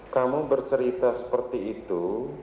kamu bercerita seperti itu